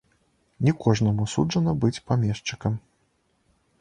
Не кожнаму суджана быць памешчыкам.